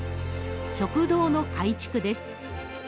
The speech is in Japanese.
食堂の改築です。